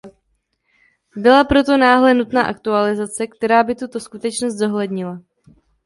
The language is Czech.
Byla proto naléhavě nutná aktualizace, která by tuto skutečnost zohlednila.